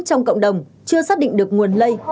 trong cộng đồng chưa xác định được nguồn lây